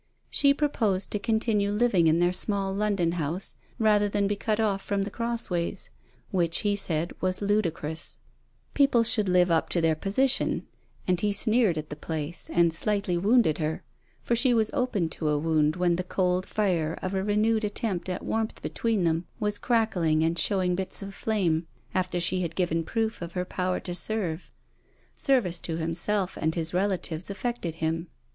She proposed to continue living in their small London house rather than be cut off from The Crossways, which, he said, was ludicrous: people should live up to their position; and he sneered at the place, and slightly wounded her, for she was open to a wound when the cold fire of a renewed attempt at warmth between them was crackling and showing bits of flame, after she had given proof of her power to serve. Service to himself and his relatives affected him.